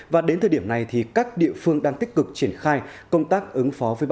và đến thời điểm này thì các địa phương đang tích cực triển khai công tác ứng phó